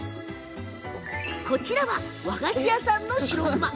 こちらは和菓子屋さんのしろくま。